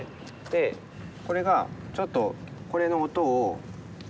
でこれがちょっとこれの音を。